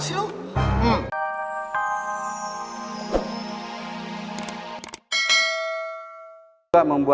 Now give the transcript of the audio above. tidak ada yang ingin mencoba